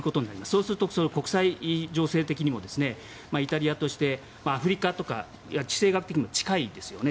そうすると国際情勢的にもイタリアとして、アフリカとか地政学的にも近いですよね。